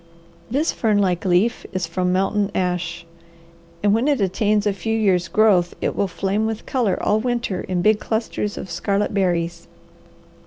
This fern like leaf is from mountain ash, and when it attains a few years' growth it will flame with colour all winter in big clusters of scarlet berries.